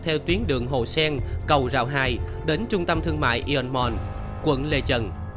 theo tuyến đường hồ sen cầu rào hai đến trung tâm thương mại eon mall quận lê trân